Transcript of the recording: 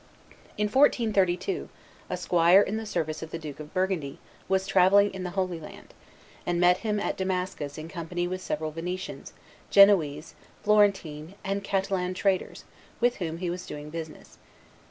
In 1432 a squire in the service of the Duke of Burgundy was travelling in the Holy Land, and met him at Damascus in company with several Venetians, Genoese, Florentine, and Catalan traders with whom he was doing business.